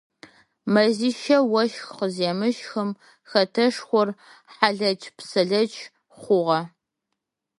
Мэзищэ ощх къыземыщхым хэтэшхор хьалэч-псэлэч хъугъэ.